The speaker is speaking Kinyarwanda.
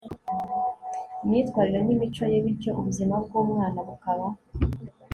imyitwarire nimico ye Bityo ubuzima bwumwana bukaba